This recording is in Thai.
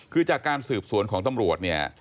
คือจากการสืบสวนของตำรวจ